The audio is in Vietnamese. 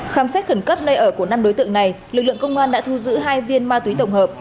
khám xét khẩn cấp nơi ở của năm đối tượng này lực lượng công an đã thu giữ hai viên ma túy tổng hợp